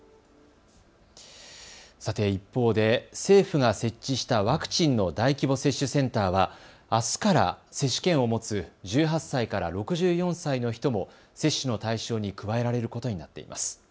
さて一方で政府が設置したワクチンの大規模接種センターはあすから接種券を持つ１８歳から６４歳の人も接種の対象に加えられることになっています。